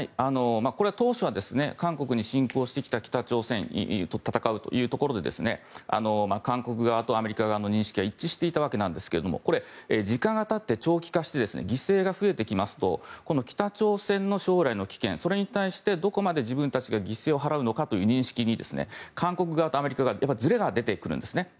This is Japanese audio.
当初は韓国に侵攻してきた北朝鮮と戦うというところで韓国側とアメリカ側の認識が一致していたわけなんですがこれ、時間が経って長期化して犠牲が増えてきますと北朝鮮の将来の危険それに対してどこまで自分たちが犠牲を払うのかという認識に韓国側とアメリカ側にずれが出てくるんですね。